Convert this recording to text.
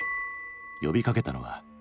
呼びかけたのは。